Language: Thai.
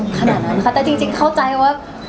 ขนาดนั้นค่ะแต่จริงเข้าใจว่า